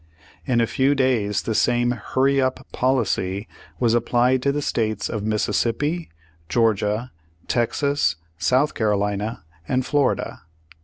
In a fev/ days the same "hurry up" policy was ap plied to the states of Mississippi, Georgia, Texas, South Carolina and Florida.